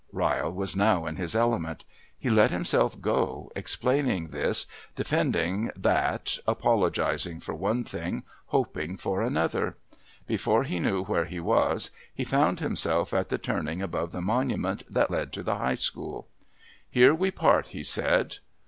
Ryle was now in his element. He let himself go, explaining this, defending that, apologising for one thing, hoping for another. Before he knew where he was he found himself at the turning above the monument that led to the High School. "Here we part," he said.